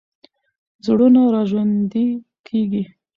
زړونه راژوندي کېږي.